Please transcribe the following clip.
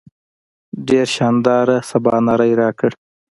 ډېر شانداره سباناری راکړ.